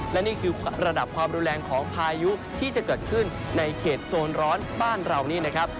และนี่คือระดับความรุนแรงของพายุที่จะเกิดขึ้นในเขตโซนร้อนบ้านเรานี่นะครับ